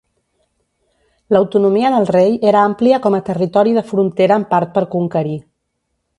L'autonomia del rei era amplia com a territori de frontera en part per conquerir.